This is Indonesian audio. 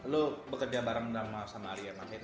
lo bekerja bareng drama sama alia mas haid